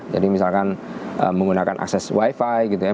misalkan menggunakan akses wifi gitu ya